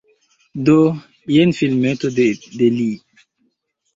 Do, jen filmeto de li!